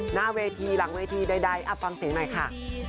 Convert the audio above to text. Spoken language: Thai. หน้าเวทีหลังเวทีใดฟังเสียงหน่อยค่ะ